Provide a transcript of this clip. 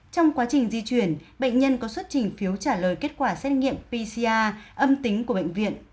trong quá trình di chuyển bệnh nhân có xuất trình phiếu trả lời kết quả xét nghiệm pcr âm tính của bệnh viện